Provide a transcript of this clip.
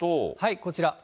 こちら。